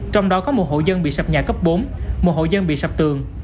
trong đó có một hộ dân bị sập nhà cấp bốn một hộ dân bị sập tường